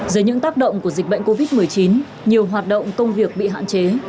dưới những tác động của dịch bệnh covid một mươi chín nhiều hoạt động công việc bị hạn chế